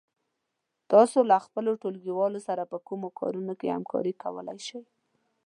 تاسو له خپلو ټولگيوالو سره په کومو کارونو کې همکاري کولای شئ؟